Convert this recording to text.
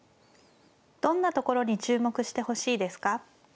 どんなところに注目してほしいですか。